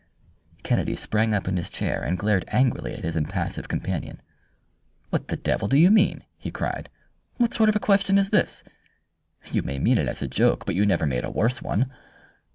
Kennedy sprang up in his chair and glared angrily at his impassive companion. "What the devil do you mean?" he cried. "What sort of a question is this? You may mean it as a joke, but you never made a worse one."